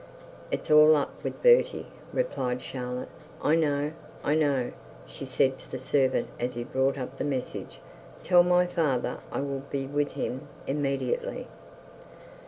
'It's all up with Bertie,' replied Charlotte. 'I know, I know,' she said to the servant, as he brought up the message. 'Tell my father I will be with him immediately.'